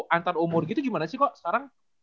antara umur gitu gimana sih kok sekarang